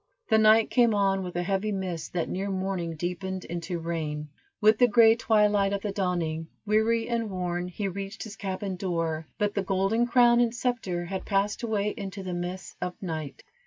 The night came on with a heavy mist that near morning deepened into rain. With the gray twilight of the dawning, weary and worn, he reached his cabin door, but the golden crown and scepter had passed away into the mists of night.